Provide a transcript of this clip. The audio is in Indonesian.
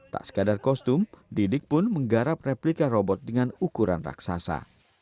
tak sekadar kostum didik pun menggarap replika robot dengan ukuran raksasa